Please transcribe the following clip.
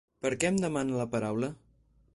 Per què em demana la paraula?